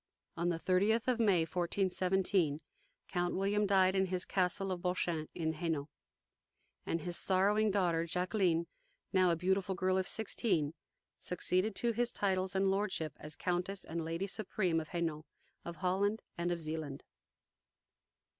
On the thirtieth of May, 1417, Count William died in his castle of Bouchain, in Hainault, and his sorrowing daughter Jacqueline, now a beautiful girl of sixteen, succeeded to his titles and lordship as Countess and Lady Supreme of Hainault, of Holland, and of Zealand.